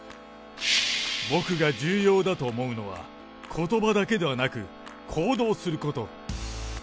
僕が重要だと思うのは、ことばだけではなく、行動すること。